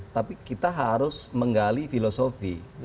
tapi kita harus menggali filosofi